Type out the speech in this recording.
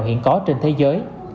hiện có trên thế giới